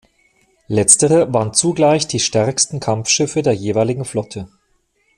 Letztere waren zugleich die stärksten Kampfschiffe der jeweiligen Flotte.